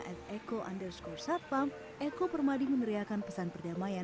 at echo underscore satpam echo permadi meneriakan pesan perdamaian